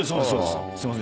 すいません。